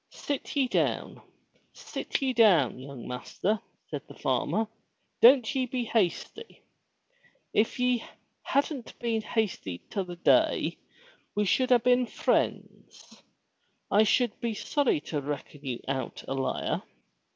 "Sit ye down! Sit ye down, young master," said the farmer. "Don't ye be hasty. If ye hadn't been hasty t' other day we should a been friends. I should be sorry to reckon you out a liar.